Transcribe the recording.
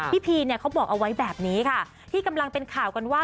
พีเนี่ยเขาบอกเอาไว้แบบนี้ค่ะที่กำลังเป็นข่าวกันว่า